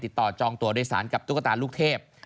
จองตัวโดยสารกับตุ๊กตาลูกเทพ